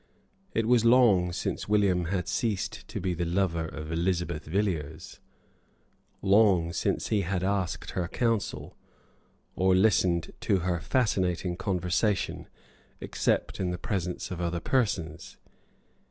It was long since William had ceased to be the lover of Elisabeth Villiers, long since he had asked her counsel or listened to her fascinating conversation except in the presence of other persons.